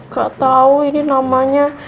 gak tau ini namanya